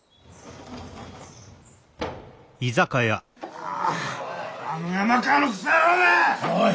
あああの山川のくそ野郎が！おい！